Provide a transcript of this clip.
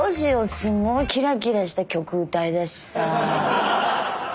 すごいキラキラした曲歌いだしてさ。